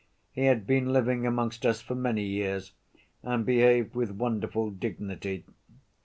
He had been living amongst us for many years and behaved with wonderful dignity.